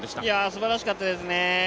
すばらしかったですね。